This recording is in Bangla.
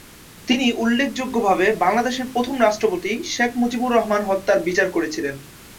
তিনি উল্লেখযোগ্যভাবে বাংলাদেশের প্রথম রাষ্ট্রপতি শেখ মুজিবুর রহমান হত্যার বিচার করেছিলেন।